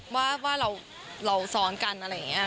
ว่าเราซ้อนกันอะไรอย่างนี้